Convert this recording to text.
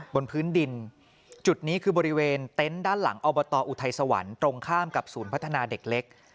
บนพื้นดินจุดนี้คือบริเวณเต็นต์ด้านหลังอบตอุทัยสวรรค์ตรงข้ามกับศูนย์พัฒนาเด็กเล็ก